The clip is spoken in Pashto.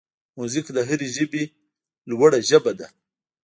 موزیک د هر ژبې نه لوړه ژبه ده.